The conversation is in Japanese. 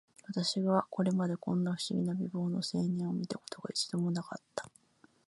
私はこれまで、こんな不思議な美貌の青年を見た事が、一度も無かった